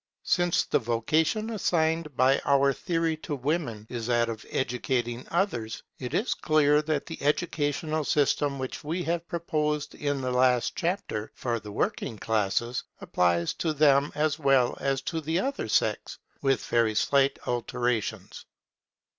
Since the vocation assigned by our theory to women is that of educating others, it is clear that the educational system which we have proposed in the last chapter for the working classes, applies to them as well as to the other sex with very slight alterations.